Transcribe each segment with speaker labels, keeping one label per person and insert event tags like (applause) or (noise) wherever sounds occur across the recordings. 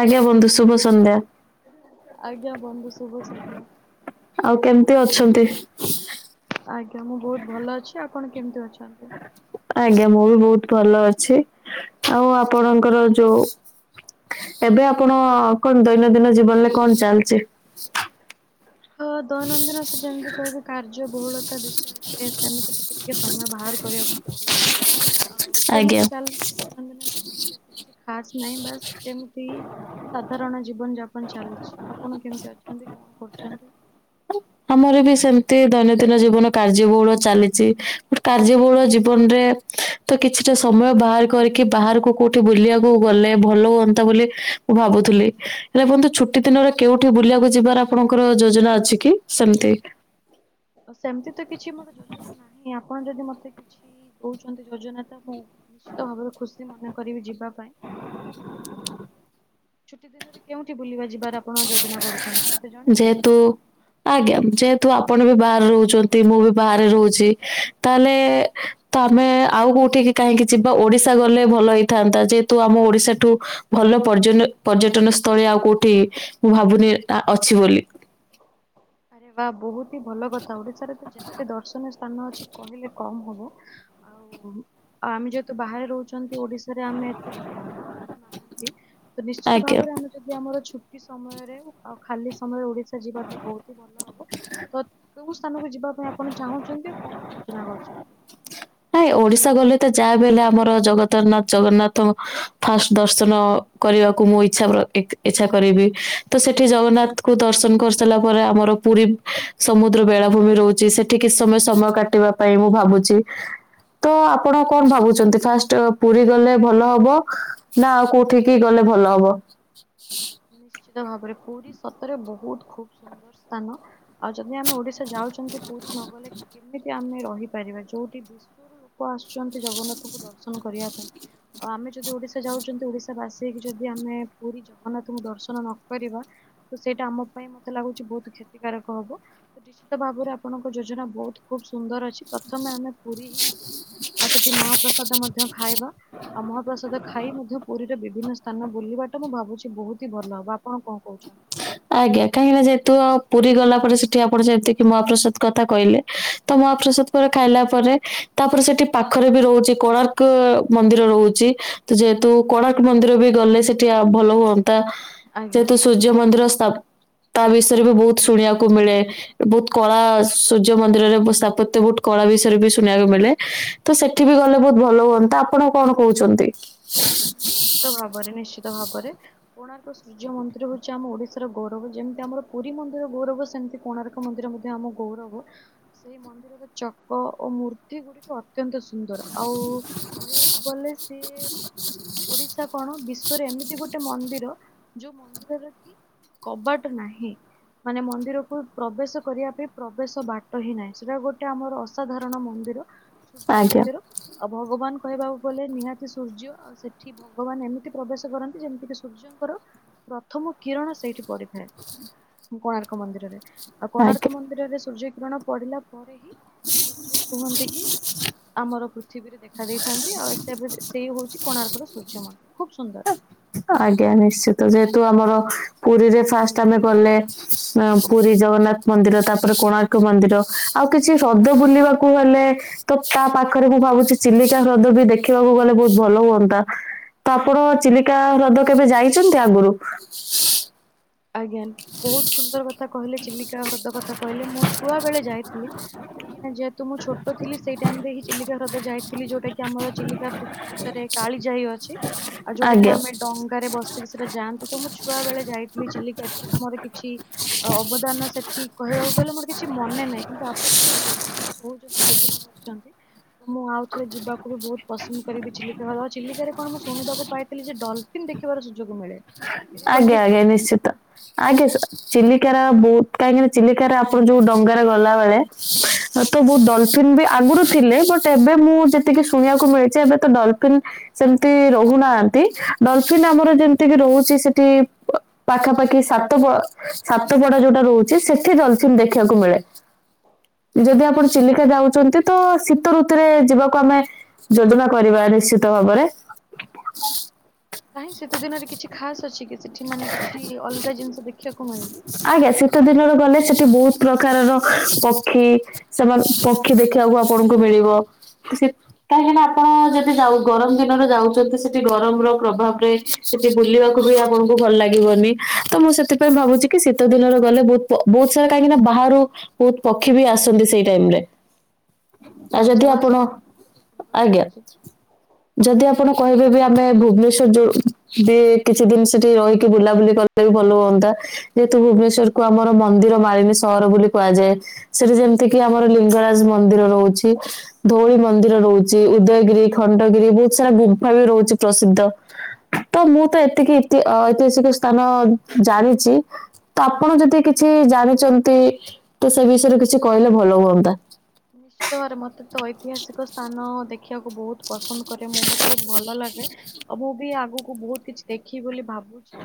Speaker 1: ଆଜ୍ଞା ବନ୍ଧୁ ଶୁଭ ସନ୍ଧ୍ୟା।
Speaker 2: ଆଜ୍ଞା ବନ୍ଧୁ ଶୁଭ ସନ୍ଧ୍ୟା।
Speaker 1: ଆଉ କେମିତି ଅଛନ୍ତି?
Speaker 2: ଆଜ୍ଞା ମୁଁ ବହୁତ ଭଲ ଅଛି ଆପଣ କେମିତି ଅଛନ୍ତି?
Speaker 1: ଆଜ୍ଞା ମୁଁ ବି ବହୁତ ଭଲ ଅଛି ଆଉ ଆପଣଙ୍କର ଯୋଉ ଏବେ ଆପଣ କଣ ଦୈନନ୍ଦିନ ଜୀବନରେ କଣ ଚାଲିଚି?
Speaker 2: ହଁ ଦୈନନ୍ଦିନ ତ ଯେମିତି କହିବି କାର୍ଯ୍ୟ ବହୁଳତା ବିଷୟରେ ସେମିତି ଟିକେ ଟିକେ ସମୟ ବାହାର କରିବାକୁ ପଡୁଛି। ଆଉ
Speaker 1: ଆଜ୍ଞା।
Speaker 2: ସେମିତି ଚାଲିଚି ଦୈନନ୍ଦିନ ଜୀବନ ବେଶୀ କିଛି ଖାସ ନାହିଁ ବାସ୍ ଯେମିତି ସାଧାରଣ ଜୀବନ ଯାପନ ଚାଲିଚି ଆପଣ କେମିତି ଅଛନ୍ତି କଣ କରୁଚନ୍ତି?
Speaker 1: ଆମର ବି ସେମିତି ଦୈନନ୍ଦିନ ଜୀବନ କାର୍ଯ୍ୟ ବହୁଳ ଚାଲିଚି କାର୍ଯ୍ୟବହୁଳ ଜୀବନରେ ତ କିଛିଟା ସମୟ ବାହାର କରିକି ବାହାରକୁ କୋଉଠି ବୁଲିବାକୁ ଗଲେ ଭଲ ହୁଅନ୍ତା ବୋଲି ମୁଁ ଭାବୁଥିଲି ହେଲେ ବନ୍ଧୁ ଛୁଟି ଦିନରେ କେଉଠି ବୁଲିବାକୁ ଯିବାର ଆପଣଙ୍କର ଯୋଜନା ଅଛି କି? ସେମତି
Speaker 2: ସେମତି ତ କିଛି ମୋର ଯୋଜନା ନାହିଁ ଆ ପଣ ଯଦି ମତେ କିଛି କହୁଚନ୍ତି ଯୋଜନା ତ ମୁଁ ନିଶ୍ଚିତ ଭାବରେ ଖୁସି ମନେ କରିବି ଯିବା ପାଇଁ ତ ଛୁଟି ଦିନରେ କେଉଁ ଟି ବୁଲିବା ଯିବାର ଆପଣ ଯୋଜନା କରୁଛନ୍ତି ମତେ ଜଣିବେ।
Speaker 1: ଯେହେତୁ ଆଜ୍ଞା ଯେହେତୁ ଆପଣ ବି ବାହାରେ ରହୁଚନ୍ତି ମୁଁ ବି ବାହାରେ ରହୁଚି ତାହେଲେ ତମେ ଆଉ କୋଉଠିକି କାହିଁକି ଯିବା ଓଡିଶା ଗଲେ ଭଲ ହେଇଥାନ୍ତା ଯେହେତୁ ଆମ ଓଡିଶାଠୁ ଭଲ ପର୍ଯ୍ୟନ ପର୍ଯ୍ୟଟନ ସ୍ଥଳୀ ଆଉ କୋଉଠି ମୁଁ ଭାବୁନି ଅଛି ବୋଲି।
Speaker 2: ଆରେ ବା ବହୁତ ହି ଭଲ କଥା ଓଡିଶାରେ ତ ଯେତେ ଦର୍ଶନୀୟ ସ୍ଥାନ ଅଛି କହିଲେ କମ ହବ। ଆଉ ଆମେ ଯେହେତୁ ବାହାରେ ରହୁଛନ୍ତି ଓଡିଶାରେ ଆମେ ଏତେ ଯୋଡି ହେ ପାରୁନାହାନ୍ତି ତ ନିଶ୍ଚିତ
Speaker 1: ଆଜ୍ଞା
Speaker 2: ଭାବରେ ଆମେ ଯଦି ଆମର ଛୁ ସମୟରେ ଆଉ ଖାଲି ସମୟରେ ଓଡିଶା ଯିବା ତ ବହୁତ ହି ଭଲ ହବ ତ ସାଙ୍ଗକୁ ଯିବା ପାଇଁ ଆପଣ ଚାହୁଁଛନ୍ତି କଣ ଯୋଜନା କରୁଛନ୍ତି?
Speaker 1: ନାଇ ଓଡିଶା ଗଲେ ତ ଯାହା ବି ହେଲେ ଆମର ଜଗତରନାଥ ଜଗନ୍ନାଥ ଫାଷ୍ଟ ଦର୍ଶନ କରିବାକୁ ମୁଁ ଇଛା ଇଛା କରିବି ତ ସେଠି ଜଗନ୍ନାଥଙ୍କୁ ଦର୍ଶନ କରିସାରିଲା ପରେ ଆମର ର ପୁରୀ ସମୁଦ୍ର ବେଳାଭୂମି ରହୁଛି ସେଠି କିଛି ସମୟ ସମୟ କାଟିବା ପାଇଁ ମୁଁ ଭାବୁଛି। ତ ଆପଣ କଣ ଭାବୁଛନ୍ତି ଫାଷ୍ଟ ପୁରୀ ଗଲେ ଭଲ ହବ ନା ଆଉ କୋଉଠିକି ଗଲେ ଭଲ ହବ? ହଁ।
Speaker 2: ନିଶ୍ଚିତ ଭାବରେ ପୁରୀ ସତରେ ବହୁତ ଖୁବ ସୁନ୍ଦର ସ୍ଥାନ ଆଉ ଯଦି ଯଦି ଆମେ ଓଡିଶା ଯାଉଛନ୍ତି ପୁରୀ ନ ଗଲେ କେମିତି ଆମେ ର ପାରିବା ଯୋଉଠି ବିଶ୍ଵର ଲୋକ ଆସୁଛନ୍ତି ଜଗନ୍ନାଥଙ୍କୁ ଦର୍ଶନ କରିବା ପାଇଁ ଆଉ ଆମେ ଯଦି ଓଡିଶା ଯାଉଛନ୍ତି ଓଡିଶାବାସି ହେଇକି ଯଦି ଆମେ ପୁରୀ ଜଗନ୍ନା ଦର୍ଶନ ନ କରିବା ତ ସେଇଟା ଆମ ପାଇଁ ମତେ ଲାଗୁଛି ବହୁତ କ୍ଷତିକାରକ ହବ ତ ନିଶ୍ଚିତ ଭାବେ ଭାବରେ ଆପଣଙ୍କ ଯୋଜନା ବହୁତ ଖୁବ ସୁନ୍ଦର ଅଛି ପ୍ରଥମେ ଆମେ ପୁରୀ ହିଁ ଯିବା। ଆଉ ସେଠୀ ମହାପ୍ରସାଦ ମଧ୍ୟ ଖାଇବା ଆଉ ମହାପ୍ରସାଦ ଖାଇ ମଧ୍ୟ ପୁରୀର ବିଭିନ୍ନ ସ୍ଥାନ ବୁଲିବାଟା ମୁଁ ଭାବୁଛି ବହୁତ ଭଲ ହବ ଆପଣ କଣ କହୁଛନ୍ତି?
Speaker 1: ଆଜ୍ଞା କାହିଁକି ନା ଯେହେତୁ ପୁରୀ ଗଲା ପରେ ସେଠି ଆପଣ ଯେମିତିକି ମହାପ୍ରସାଦ କଥା କହିଲେ ତ ମହାପ୍ରସାଦ ପରେ ଖାଇଲା ପରେ ତାପରେ ସେଠି ପାଖରେ ବି ରହୁଛି କୋଣାର୍କ ମନ୍ଦିର ରହୁଛି ତ ଯେହେତୁ କୋଣାର୍କ ମନ୍ଦିର ବି ଗଲେ ସେଠି ଭଲ ହୁଅନ୍ତା
Speaker 2: ଆଜ୍ଞା
Speaker 1: ଯେହେତୁ ସୂର୍ଯ୍ୟ ମନ୍ଦିର ତ୍ ତା ବିଷୟରେ ବି ବହୁତ ଶୁଣିବାକୁ ମିଳେ ବହୁତ କଳା ସୂର୍ଯ୍ୟ ମନ୍ଦିରରେ ସ୍ଥାପତ୍ୟ ବହୁତ କଳା ବିଷୟରେ ବି ଶୁଣିବାକୁ ମିଳେ ତ ସେଠି ବି ଗଲେ ବହୁତ ଭଲ ହୁଅନ୍ତା ଆପଣ କଣ କହୁଛନ୍ତି?
Speaker 2: ନିଶ୍ଚିତ ଭାବରେ ନିଶ୍ଚିତ ଭାବରେ କୋଣାର୍କ ସୂର୍ଯ୍ୟ ମନ୍ଦିର ହଉଛି ଆମ ଓଡିଶାର ଗୌରବ ଯେମିତି ମତି ଆମର ପୁରୀ ମନ୍ଦିର ଗୌରବ ସେମିତି କୋଣାର୍କ ମନ୍ଦିର ମଧ୍ୟ ଆମ ଗୌରବ ସେଇ ମନ୍ଦିରର ଓ ମୂର୍ତ୍ତି ଗୁଡିକ ଅତ୍ୟନ୍ତ ସୁନ୍ଦର ଆଉ କହିବାକୁ ଗଲେ ସିଏ ଓଡିଶା କଣ ବିଶ୍ଵରେ ଏମିତି ଗୋଟେ ମନ୍ଦିର ଯୋଉ ମନ୍ଦିରରେ କି କବାଟ ନାହିଁ। ମାନେ ମନ୍ଦିରକୁ ପ୍ରବେଶ କରିବା ପାଇଁ ପ୍ରବେଶ ବାଟ ହିଁ ନାହିଁ ସେଟା ଗୋଟେ ଆମର ଅସାଧାରଣ ମ ସୂର୍ଯ୍ୟ
Speaker 1: ଆଜ୍ଞା
Speaker 2: ମନ୍ଦିର ଆଉ ଭଗବାନ କହିବାକୁ ଗଲେ ନିହାତି ସୂର୍ଯ୍ୟ ଆଉ ସେ ସେଠ ଭଗବାନ ଏମିତି ପ୍ରବେଶ କରନ୍ତି ଯେମିତିକି ସୂର୍ଯ୍ୟଙ୍କର ପ୍ରଥମ କିରଣ ସେଇଠି ପଡିଥାଏ କୋଣାର୍କ ମନ୍ଦିରରେ ଆଉ
Speaker 1: ଆଜ୍ଞା
Speaker 2: କୋଣାର୍କ ମନ୍ଦିରରେ ସୂର୍ଯ୍ୟ କିିରଣ ପଢିଲା ପରେ ହିଁ ସୂର୍ଯ୍ୟ କୁହନ୍ତି କି ଆମର ପୃଥିବୀରେ ଦେଖା ଦେଇଥାନ୍ତି ଆଉ ସେ ସେଇ ହଉଛି କୋଣାର୍କର ସୂର୍ଯ୍ୟ ମନ୍ଦିର ଖୁବ ସୁନ୍ଦର
Speaker 1: ଆଜ୍ଞା ନିଶ୍ଚିତ ଯେହେତୁ ଆମର ପୁରୀରେ ଫାଷ୍ଟ ଆମେ ଗଲେ ପୁରୀ ଜଗନ୍ନାଥ ମନ୍ଦିର ତାପରେ କୋଣାର୍କ ମନ୍ଦିର ଆଉ କିଛି ହ୍ରଦ ବୁଲିବାକୁ ଗଲେ ପାଖରେ ମୁଁ ଭାବୁଛି ଚିଲିକା ହ୍ରଦ ବି ଦେଖିବାକୁ ଗଲେ ବହୁତ ଭଲ ହୁଅନ୍ତା ତ ଆପଣ ଚା ଚିଲିକା ହ୍ରଦ କେବେ ଯାଇଛନ୍ତି ଆଗରୁ?
Speaker 2: ଆଜ୍ଞା ବହୁତ ସୁନ୍ଦର କଥା କହିଲେ ଚିଲିକା ହ୍ରଦ କଥା କହିଲେ ମୁଁ ଛୁଆ ବେଳେ ଯାଇଥିଲି। କାଇଁକିନା ଯେହେତୁ ମୁଁ ଛୋଟଥିଲି ସେଇ ଟାଇମରେ ହିଁ ଚିଲିକା ହ୍ରଦ ଯାଇଥିଲି ଯୋଉଟା କି ଆମର ଚିଲିକା (unintelligible) ଭିତରେ କାଳୀଯାଇ ଅଛି। ଆଉ ଯୋଉଟା କିି
Speaker 1: ଆଜ୍ଞା
Speaker 2: ଆମେ ଡଙ୍ଗାରେ ବସିକି ସେଟା ଯାଆନ୍ତି ତ ମୁଁ ଛୁଆ ବେଳେ ଯାଇଥି ଏତେ ତ ମୋର କିଛି ଅବଦାନ ସେଠି କହିବାକୁ ଗଲେ ମୋର କିଛି ମନେ ନାହିଁ କିନ୍ତୁ ଆପଣ ଯଦି କହୁଛନ୍ତି ଯୋଜନା କରୁଛନ୍ତି ତ ମୁଁ ଆଉ ଥରେ ଯିବାକୁ ବି ବହୁତ ପସନ୍ଦ କରିବି ଚିଲିକା ହବା ଚିଲିକାରେ କଣ ମୁଁ ଶୁଣିବାକୁ ପାଇଥିଲି ଯେ ଡଲଫିନ୍ ଦେଖିବାର ସୁଯୋଗ ମିଳେ ଏଇଟା କଣ
Speaker 1: ଆଜ୍ଞା
Speaker 2: ଠିକ
Speaker 1: ଆଜ୍ଞା ନିଶ୍ଚିତ ଆଜ୍ଞା ଚିଲିକାର ବ କାହିଁକିନା ଚିଲିକାରେ ଆପଣ ଯୋଉ ଡଙ୍ଗାରେ ଗଲା ବେଳେ ତ ବହୁତ ଡଲଫନ୍ ବି ଆଗରୁ ଥିଲେ ବଟ ଏବେ ମୁଁ ଯେତିକି ଶୁଣିବାକୁ ମିଳିଛି ଏବେ ତ ଡଲଫିିନ ସେମିତି ରହୁନାହାନ୍ତି ଡଲଫିନ୍ ଆମର ଯେମିତିକି ରହୁଛି ସେଠି ପାଖାପାଖି ସାତ ପ ସାତ ପଡା ଯୋଉଟା ରହୁଚି, ସେଠି ଡଲଫିନ୍ ଦେଖିବାକୁ ମିଳେ। ଯଦି ଆପଣ ଚିଲିକା ଯାଉଚନ୍ତି ତ ଶୀତ ଋତୁରେ ଯିବାକୁ ଆମେ ଯୋଜନା କରିବା ନିଶ୍ଚିତ ଭାବରେ (inaudible)
Speaker 2: କାଇଁ ଶୀତ ଦିନରେ କିଛି ଖାସ ଅଛି କି ସେଠି ମାନେ କିଛି ଅଲଗା ଜିନିଷ ଦେଖିବାକୁ ମିଳେ କି?
Speaker 1: ଆଜ୍ଞା ଶୀତ ଦିନରେ ଗଲେ ସେଠି ବହୁତ ପ୍ରକାରର ପକ୍ଷୀ, ସେମାନେ ପକ୍ଷୀ ଦେଖିବାକୁ ଆପଣଙ୍କୁ ମିଳେ। ଳିବ। ସେ କାହିଁକିନା ଆପଣ ଯଦି ଯାଉ ଗରମ ଦିନରେ ଯାଉଚନ୍ତି ସେଠି ଗରମର ପ୍ରଭାବରେ ଯେ ବୁଲିବାକୁ ବୁଲିବା ଆପଣଙ୍କୁ ଭଲ ଲାଗିବନି। ତ ମୁଁ ସେଥିପାଇଁ ଭାବୁଚି କି ଶୀତ ଦିନରେ ଗଲେ ବହୁତ ପ ବହୁତ ସାରା କାହିଁକି ନା ବ ବାହାରୁ ବହୁତ ପକ୍ଷୀ ବି ଆସନ୍ତି ସେଇ ଟାଇମ ରେ ଆଉ
Speaker 2: ଆଚ୍ଛା
Speaker 1: ଯଦି
Speaker 2: ଆଚ୍ଛା। ବାସ୍
Speaker 1: ଆପଣ
Speaker 2: ସୁନ୍ଦର
Speaker 1: ଆଜ୍ଞା
Speaker 2: ଲାଗୁଚି।
Speaker 1: ଯଦି ଆପଣ କହିବେ ବି ଆମେ ଭୁବନେଶ୍ଵର ଯୋଉ ଡିଏ କିଛି ଦିନ ସେଠି ରହିକି ବୁଲାବୁଲି କରି ପାରୁ ଭଲ ହୁଅନ୍ତା, ଯେହେତୁ ଭୁବନେଶ୍ୱରକୁ ଆମର ମନ୍ଦିର ମାଳିନୀ ସହ ହର ବୋଲି କୁହାଯାଏ ସେଠି ଯେମିତିକି ଆମର ଲିଙ୍ଗ ମନ୍ଦିର ରହୁଚି, ଧଉଳି ମନ୍ଦିର ରହୁଚି, ଉଦୟଗିରି, ଖଣ୍ଡଗିରି ବହୁତ ସାରା ଗୁମ୍ଫା ବି ରହୁଚି ପ୍ରସିଦ୍ଧ ତ ମୁଁ ତ ଏତେ ତିକି ତି ଐତିହାସିକ ସ୍ଥାନ ଜାଣିଚି ତ ଆପଣ ଯଦି କିଛି ଜାଣିଚନ୍ତି ତ ସେ ବିଷୟରେ କିଛି କହିଲେ ଭଲ ହୁଅନ୍ତା।
Speaker 2: ନିଶ୍ଚିତ ଭାବରେ ମତେ ତ ଐତିହାସିକ ସ୍ଥାନ ଦେଖ ଖିବାକୁ ବହୁତ ପସନ୍ଦ କରେ ମୁଁ ମତେ ବହୁତ ଭଲ ଲାଗେ ଆଉ ମୁଁ ବି ଆଗକୁ ବହୁତ କିଛି ଦେଖିବି ବୋଲି ଭାବ ବୁଚି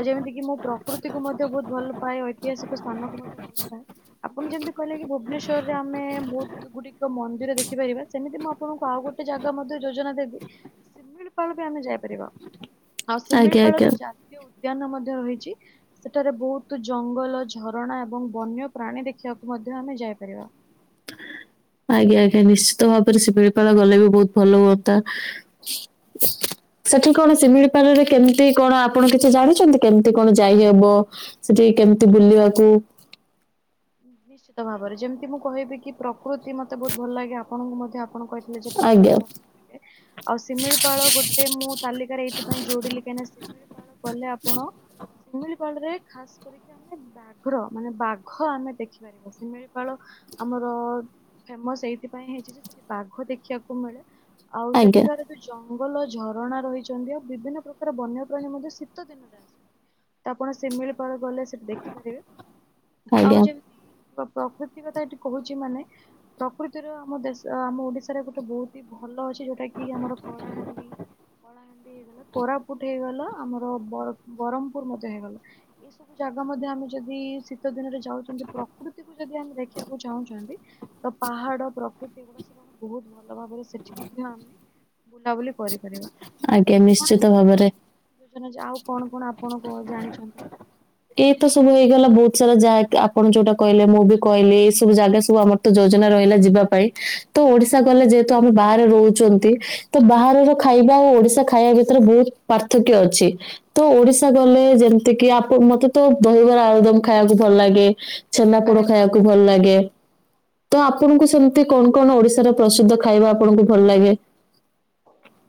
Speaker 2: ଆଉ ଯେମିତି କି ମୁଁ ପ୍ରକୃତି କ ମଧ୍ୟ ବହୁତ ଭଲ ପାଏ ଐତିହାସିକ ସ୍ଥାନକୁ ମଧ୍ୟ ଭଲ ପାଏ। ଆପଣ ଯେମିତି କହିଲେ କି ଭୁବନେଶ୍ଵରରେ ଆମେ ବହୁତ ଗୁଡିକ ମନ୍ଦିର ଦେଖିପାରିବା, ସେମିତି ମୁଁ ଆପଣଙ୍କୁ ଆଉ ଗୋଟେ ଜାଗା ମଧ୍ୟ ଯୋଜନା ଦେବି ଶିମି ପାଳ ବି ଆମେ ଯାଇପାରିବା ଆଉ
Speaker 1: ଆଜ୍ଞା
Speaker 2: ଶିମିଳିପାଳରେ
Speaker 1: ଆଜ୍ଞା
Speaker 2: ଜାତୀୟ ଉଦ୍ ଦ୍ୟାନ ମଧ୍ୟ ରହିଚି। ସେଠାରେ ବହୁତ ଜଙ୍ଗଲ ଝରଣା ଏବଂ ବନ୍ୟ ପ୍ରାଣୀ ଦେଖିବାକୁ ମଧ୍ୟ ଧ୍ୟ ଆମେ ଯାଇପାରିବା।
Speaker 1: (inaudible) ଆଜ୍ଞା ଆଜ୍ଞା। ନିଶ୍ଚିତ ଭାବରେ ଶିପିଳିପାଳା ଗଲେ ବି ବହୁତ ଭଲ ହୁଅନ୍ତା। ସେଠି କଣ ଶିମିଳିପାଳରେ କେମିତି କଣ ଆପଣ କିଛି ଜାଣିଚନ୍ତି କେମିତି କଣ ଯାଇହବ ସେଠି କେମିତି ବୁଲିବାକୁ
Speaker 2: ନିଶ୍ଚିତ ଭାବରେ ଯେମିତି ମୁଁ କହିବି କି ପ୍ରକୃତି ମତେ ବହୁତ ଭଲ ଲାଗେ ଆପଣଙ୍କୁ ମଧ୍ୟ ପଣ କହିଥିଲେ ଯେ
Speaker 1: ଆଜ୍ଞା
Speaker 2: ପ୍ରକୃତି ଭଲ ଲାଗେ ଆଉ ସିମିଳିପାଳ ଗୋଟେ ମୁଁ ତାଲିକାରେ ଏଇଥିପାଇଁ ଯୋଡିଲି କା ଇନା ଶିମିଳି କଲେ ଆପଣ ଶିମିଳିପାଳରେ ଖାସ କରିକି ଆମେ ବାଘ୍ର ମାନେ ବାଘ ଘ ଆମେ ଦେଖିପାରିବା ଶିମିଳିପାଳ ଆମର ଫେମସ ସେଇଥିପାଇଁ ହେଇଚି ଯେ ସେଠି ବାଘ ଦେଖ ଖିବାକୁ ମିଳେ ଆଉ
Speaker 1: ଆଜ୍ଞା
Speaker 2: ସେଠିକାର ଯୋଉ ଜଙ୍ଗ ଙ୍ଗଲ ଝରଣା ରହିଚନ୍ତି ଆଉ ବିଭିନ୍ନ ପ୍ରକାର ବନ୍ୟ ପ୍ରାଣୀ ମଧ୍ୟ ଶୀତ ଦିନରେ ଆସନ୍ତି। ତ ଆପଣ ଶିମିଳିପଳ ଗଲେ ସେଠି ଦେଖିପାରିବେ। ଆଉ
Speaker 1: ଆଜ୍ଞା।
Speaker 2: ଯେମିତି ପ୍ରକୃତି କଥା ଏଠି କହୁଚି ମାନେ ପ୍ରକୃତିର ଆମ ଦେଶ ଆମ ଓଡିଶାରେ ଗୋଟେ ବହୁତ ହି ଭଲ ଅଛ ଛି, ଯୋଉଟା କି ଆମର କଳାହାଣ୍ଡି କଳାହାଣ୍ଡି ହେଇଗଲା କୋରାପୁଟ ହେଇଗଲା ଆମର ବର ବରମ୍ପୂର୍ ମଧ୍ୟ ହେଇଗଲା। ଏଇ ସବୁ ଜାଗା ମଧ୍ୟ ଆମେ ଯଦି ସି ତ ଦିନରେ ଯାଉଚନ୍ତି ପ୍ରକୃତିକୁ ଯ ଦି ଆମେ ଦେଖିବାକୁ ଚାହୁଁଚନ୍ତି ଓ ପାହାଡ ପ୍ରକୃତି ଗୁଡା ସେମାନେ ବହୁତ ଭଲ ଭାବରେ ସେଠି ମଧ୍ୟ ଆମେ ବୁଲାବୁଲି କରିପାରିବା।
Speaker 1: ଆଜ୍ଞା
Speaker 2: ତ ଆପଣ
Speaker 1: ନିଶ୍ଚିତ
Speaker 2: କିଛି
Speaker 1: ଭାବରେ
Speaker 2: ଯୋଜନା ଆଉ କଣ କଣ ଆପଣ କ ଜାଣିଛନ୍ତି?
Speaker 1: ଏଇ ତ ସବୁ ହେଇଗଲା ବହୁତ ସାରା ଜାଗ ଆପଣ ଯୋଉଟା କହିଲେ ମୁଁ ବି କହିଲି ଏଇ ସବୁ ଜାଗା ସବୁ ଆମର ତ ଜୟ ଯୋଜନା ରହିଲା ଯିବା ପାଇଁ ତ ଓଡିଶା ଗଲେ ଯେହ ତ ଆମେ ବାହାରେ ରହୁଛନ୍ତି ତ ବାହାରର ଖାଇବା ଓ ଓଡିଶା ଖାଇବା ଭିତରେ ବହୁତ ପାର୍ଥକ୍ୟ ଅଛି। ତ ଓଡିଶା ଗଲେ ଯେମତି କି ଆପ ମତେ ତ ଦହିବରା ଆଳୁଦମ ଖାଇବାକୁ ଭଲ ଲାଗେ ଛେନା
Speaker 2: ଆରେ
Speaker 1: ପୋଡ
Speaker 2: ବା
Speaker 1: ଖାଇବାକୁ ଭଲ ଲାଗେ। ତ ଆପଣଙ୍କୁ ସେମିତି କଣ କଣ ଓଡିଶାର ପ୍ରସିଦ୍ଧ ଖାଇବା ଆପଣଙ୍କୁ ଭଲ ଲାଗେ?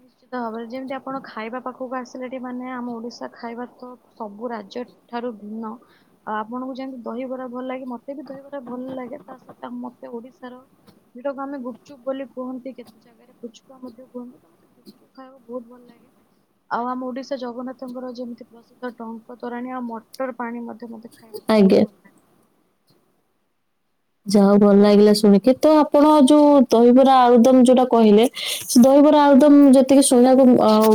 Speaker 2: ନିଶ୍ଚିତ ଭାବରେ ଯେମିତି ଆପଣ ଖାଇବା ପାଖକୁ ଆସିଲେଠି ମାନେ ଆମ ଓଡିଶା ଖାଇବା ତ ସବୁ ରାଜ୍ୟ ଠାରୁ ଭିନ୍ନ ଆଉ ଆପଣଙ୍କୁ ଯେମିତି ଦହିବରା ଭଲ ଲାଗେ ମତେ ବି ଦହିବରା ଭଲ ଲାଗେ ତା ସହିତ ଆ ଓଡିଶାର ଯୋଉଟାକୁ ଆମେ ଗୁପଚୁପ ବୋଲି କୁହନ୍ତି କେତେ ଜାଗାରେ ପୁଚୁପା ମଧ୍ୟ କୁହନ୍ତି। ତୁ ଖାଇବା ବହୁତ ଭଲ ଲାଗେ। ଆଉ ଆମ ଓଡିଶା ଜଗନ୍ନାଥଙ୍କର ଯେମିତି ପ୍ରସିଦ୍ଧ ଟଙ୍କ ତୋରାଣୀ ଆଉ ମଟର ପାଣି ମଧ୍ୟ ମତେ ଖାଇବାକୁ
Speaker 1: ଆଜ୍ଞା
Speaker 2: ବହୁତ ଭଲ ଲାଗେ।
Speaker 1: ଯାହେଉ ଭଲ ଲାଗିଲା ଶୁଣିକି ତ ଆପଣ ଯୋଉ ଦହିବରା ଆଳୁଦମ ଯୋଉଟା କହିଲେ ସେ ଦ ଦହିବରା ଆଳୁଦମ ଯେତିକି ଶୁଣିବାକୁ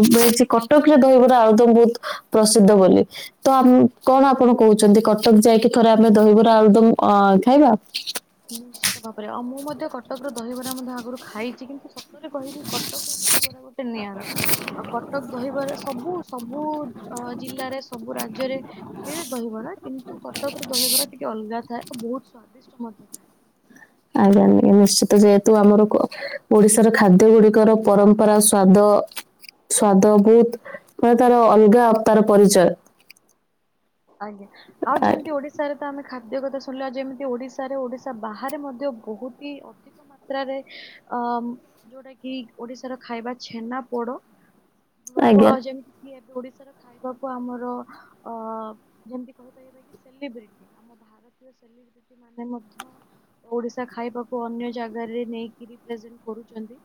Speaker 1: ମିଳିଛି କଟକରେ ଦହିବରା ଆଳୁଦମ ବହୁତ ପ୍ରସିଦ୍ଧ ବୋଲି ତ କଣ ଆପଣ କହୁଛନ୍ତି କଟକ ଯାଇକି ଥରେ ଆମେ ଦହିବରା ଆଳୁଦମ ଅ ଖାଇବା?
Speaker 2: ନିଶ୍ଚିତ ଭାବରେ ଆଉ ମୁଁ ମଧ୍ୟ କ ଟକର ଦହିବରା ମଧ୍ୟ ଆଗରୁ ଖାଇଛି କିନ୍ତୁ ସତରେ କହିବି କଟକର ଦହିବରା ଗୋଟେ ନିଆରା ଆଉ କଟକ ଦହିବାର ସବୁ ସବୁ ଜିଲ୍ଲାରେ ସବୁ ରାଜ୍ୟରେ ମିଳେ ଦହିବ କିନ୍ତୁ କଟକ ର ଦହିବରା ଟିକେ ଅଲଗା ଥାଏ ଆଉ ବହୁତ ସ୍ଵାଦିଷ୍ଟ ମଧ୍ୟ। ଥାଏ।
Speaker 1: ଆଜ୍ଞା ନିଶ୍ଚିତ ଯେହେତୁ ଆମର ଓଡିଶାର ଖାଦ୍ୟ ଗୁଡିକର ପରମ୍ପରା ସ୍ଵାଦ ସ୍ଵାଦ ବହୁତ ମାନେ ତାର ଅଲଗା ତାର ପରିଚୟ,
Speaker 2: ଆଜ୍ଞା ଆଉ
Speaker 1: ଆ-
Speaker 2: ଯେମିତି ଓଡିଶାରେ ତ ଆମେ। ଖାଦ୍ୟ କଥା ଶୁଣିଲା ଯେମିତି ଓଡିଶାରେ ଓଡିଶା ବାହାରେ ମଧ୍ୟ ବହୁତ ହି ମାତ୍ରାରେ ଅ ଯୋଉଟା କିି ଓଡିଶାର ଖାଇବା ଛେନା ପୋଡ଼। ଲୋକ
Speaker 1: ଆଜ୍ଞା
Speaker 2: ଆଉ ଯେମିତି କି ଏବେ ଓଡିଶାର ଖାଇବାକୁ ଆମର ଅ ଯେମତି କହିପାରିବା କି ସେଲିବ୍ରିଟି ଆମ ଭାରତୀୟ ସେଲିବ୍ରିଟି ମାନେ ମଧ୍ୟ ଓଡିଶା (inaudible) ଖାଇବାକୁ ଅନ୍ୟ ଜାଗାରେ ନେଇକିରି ପ୍ରେଜେଣ୍ଟ କରୁଛନ୍ତି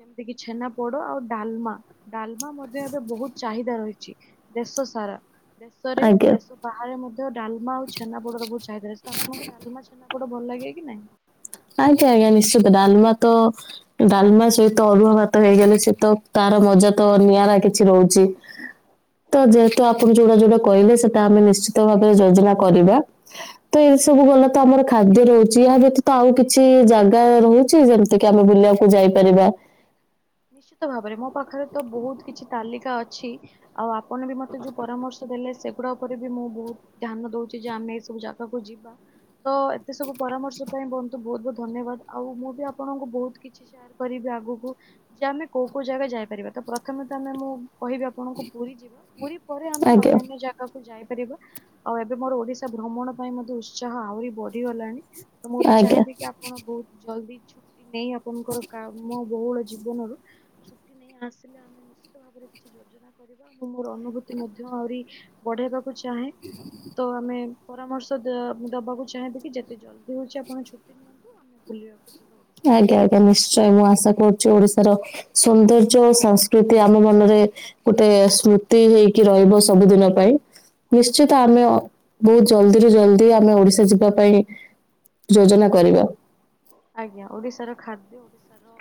Speaker 2: ଯେମତି କି ଛେନାପୋଡ଼ ଆଉ ଡାଲ ମା ଡାଲମା ମଧ୍ୟ ଏବେ ବହୁତ ଚାହିଦା ରହିଛି ଦେଶ ସାରା। ଦେଶରେ
Speaker 1: ଆଜ୍ଞା
Speaker 2: ଦେଶ ବାହାରେ ମଧ୍ୟ ଡାଲମା ଆଉ ଛେନାପୋଡ଼ ର ବହୁତ ଚାହିଦା ଅଛି ତ ଆପଣଙ୍କୁ ଡାଲମା ଛେନାପୋ ପୋଡ଼ ଭଲ ଲାଗେ କି ନାଇଁ?
Speaker 1: ଆଜ୍ଞା ଆଜ୍ଞା ନିଶ୍ଚିତ ଡାଲମା ତ ଡାଲମା ସହିତ ଅରୁଆ ଭାତ ହେଇଗଲେ ସେତ ମଜା ତ ନିଆରା କିଛି ରହୁଚି ତ ଯେହେତୁ ଆପଣ ଯୋଉଟା ଯୋଉଟା କହିଲେ ସେଟା ଆମେ ନିଶ୍ଚିତ ଭାବରେ ଯୋଜନା କରିବା ତ ଏ ସବୁ ଗଲାତ ଆମର ଖାଦ୍ୟ ରହୁଛି ଏହା ବ୍ୟତ ତ ଆଉ କିଛି ଜାଗା ରହୁଛି ଯେମିତି କି ଆମେ ବୁଲିବାକୁ ଯାଇପାରିବା,
Speaker 2: ନିଶ୍ଚିତ ଭାବରେ ମୋ ପାଖରେ ତ ବହୁତ କିଛି ତାଲିକା ଅଛି ଆଉ, ଆପଣ ବି ମତେ ଯୋଉ ପରାମର୍ଶ ଦେଲେ ସେ କୁକୁଡ଼ା ଉପରେ ବି ମୁଁ ବହୁତ ଧ୍ୟାନ ଦଉଛି ଯେ ଆମେ ଏଇ ସବୁ ଜାଗାକୁ ଯିବା। ତ ଏତେ ସବୁ ପରାମର୍ଶ ପାଇଁ ବନ୍ତୁ ବହୁତ ବହୁତ ଧନ୍ୟବାଦ ଆଉ ମୁଁ ବି ଆପଣଙ୍କୁ ବହୁତ କିଛି ସେୟାର କରିବି। ଆଗକୁ ଯେ ଆମେ କୋଉ କୋଉ ଜାଗା ଯାଇପାରିବା ତ ପ୍ରଥମେ ତ ଆମେ ମୁଁ କହିବି ଆପଣଙ୍କୁ ପୁରୀ ଯିବା ପୁରୀ ପରେ ଆମେ
Speaker 1: ଆଜ୍ଞା
Speaker 2: ଅନ୍ୟାନ୍ୟ ଜାଗାକୁ ଯାଇପାରିବା ଆଉ ଏବେ ମୋର ଓଡିଶା ଭ୍ରମଣ ପାଇଁ ମଧ୍ୟ ଉତ୍ସାହ ଆହୁରି ବଢିଗଲାଣି। ତ ମୁଁ ବି
Speaker 1: ଆଜ୍ଞା
Speaker 2: ଚାହିଁବି କି ଆପଣ ବହୁତ ଜଲଦି ଛୁଟି ନେଇ ଆପଣଙ୍କର କାମ ବହୁଳ ଜୀବନରୁ ଛୁଟି ନେଇ ଆସିଲେ ଆମେ ନିଶ୍ଚିତ ଭାବରେ କିଛି ଯୋଜନା କରିବା ଆ ମୋର ଅନୁଭୂତି ମଧ୍ୟ ଆହୁରି ବଢେଇବାକୁ ଚାହେଁ ତ ଆମେ ପରାମର୍ଶ ଦବାକୁ ଚାହିଁବିକି ଯେତେ ଜଲ୍ଦି ହଉଛି ଆପଣ ଛୁଟି ନିଅନ୍ତୁ ଆମେ ବୁଲିବାକୁ ଯିବା ଓଡିଶା।
Speaker 1: ଆଜ୍ଞା ଆଜ୍ଞା ନିଶ୍ଚୟ ମୁଁ ଆଶା କରୁ ଓଡିଶାର ସୌନ୍ଦର୍ଯ୍ୟ ସଂସ୍କୃତି ଆମ ମନରେ ଗୋଟେ ସ୍ମୃତି ହେଇ କି ରହିବ ସବୁଦିନ ପାଇଁ। ନିଶ୍ଚିତ ଆମେ ବହୁତ ଜଲଦିରୁୁ ଜଲଦି ଆମେ ଓଡିଶା ଯିବା ପାଇଁ ଯୋଜନା କରିବାି।
Speaker 2: ଆଜ୍ଞା ଓଡିଶାର ଖାଦ୍ୟ ଓଡିଶାର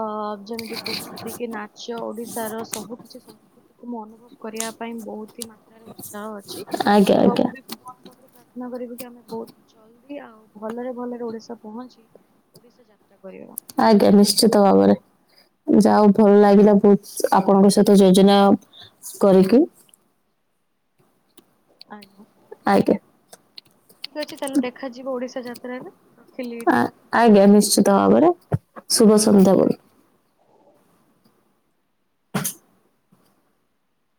Speaker 2: ଅ ଯେମିତି କୁହନ୍ତି କି ନା ଚ ଓଡ଼ିଶାର ସବୁ କିିଛି ସଂସ୍କୃତିକୁ ମୁଁ ଅନୁଭବ କରିବା ପାଇଁ ବହୁତ ହି ମାତ୍ରାରେ ଉତ୍ସାହ ଅଛି। ଚି
Speaker 1: ଆଜ୍ଞା
Speaker 2: ତ
Speaker 1: ଆଜ୍ଞା
Speaker 2: ମୁଁ ବି ଭଗବାନଙ୍କ ପାଖରେ ପ୍ରା ପ୍ରନ କରିବୁ କି ଆମେ ବହୁତ ଜଲ୍ଦି ଆଉ ଭଲରେ ଭଲରେ ଓଡିଶା ପହଞ୍ଚି ଓଡିଶା ଯାତ୍ରା କରିବା।
Speaker 1: ଆଜ୍ଞା ନିଶ୍ଚିତ ଭାବରେ ଯାହା ଭଲ ଲାଗିଲା ବହୁତ ଆପଣଙ୍କ ସହିତ ଯୋଜନା କରିକି। ହ
Speaker 2: ଆଜ୍ଞା
Speaker 1: ଆଜ୍ଞା
Speaker 2: ଠିକ ଅଛି ତାହେଲେ ଦେଖାଯିବ ଓଡିଶା ଯାତ୍ରାରେ। ରଖିଲି
Speaker 1: ଆ
Speaker 2: ଏଇଠି
Speaker 1: ଆଜ୍ଞା ନିଶ୍ଚିତ ଭାବରେ ଶୁଭ
Speaker 2: ଆଜ୍ଞା ନମସ୍କାର।
Speaker 1: ସନ୍ଧ୍ୟଭାବରେ।